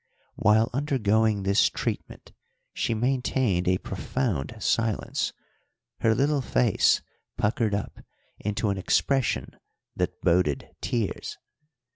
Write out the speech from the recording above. While undergoing this treatment she maintained a profound silence, her little face puckered up into an expression that boded tears.